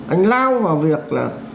anh lao vào việc là